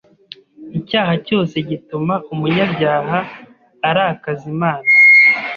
icyaha cyose gituma umunyabyaha arakaza Imana